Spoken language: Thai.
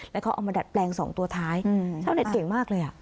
แล้วเขาเอามาดัดแปลงสองตัวท้ายชาวเน็ตเก่งมากเลยอ่ะ